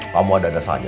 kamu ada ada saja